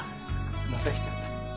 また来ちゃった。